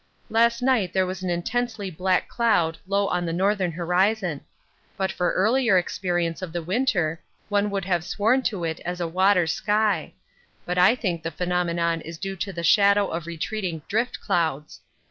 Last night there was an intensely black cloud low on the northern horizon but for earlier experience of the winter one would have sworn to it as a water sky; but I think the phenomenon is due to the shadow of retreating drift clouds.